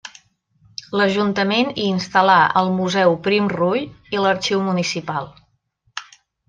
L'ajuntament hi instal·là el Museu Prim-Rull i l'Arxiu Municipal.